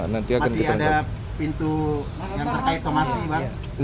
masih ada pintu yang terkait komasi bang